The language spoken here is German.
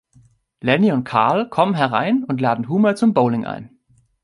Lenny und Carl kommen herein und laden Homer zum Bowling ein.